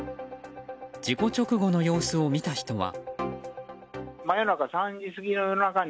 事故直後の様子を見た人は。